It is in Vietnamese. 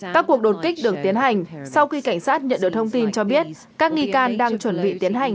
các cuộc đột kích được tiến hành sau khi cảnh sát nhận được thông tin cho biết các nghi can đang chuẩn bị tiến hành